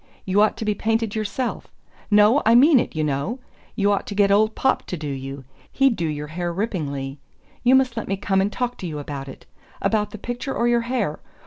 You ought to be painted yourself no, I mean it, you know you ought to get old Popp to do you. He'd do your hair ripplingly. You must let me come and talk to you about it... About the picture or your hair?